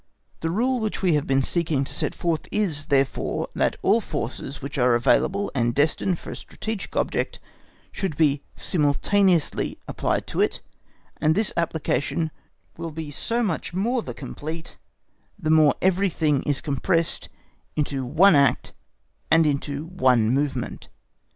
The rule which we have been seeking to set forth is, therefore, that all forces which are available and destined for a strategic object should be simultaneously applied to it; and this application will be so much the more complete the more everything is compressed into one act and into one movement.